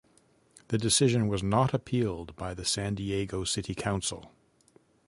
The decision was not appealed by the San Diego City Council.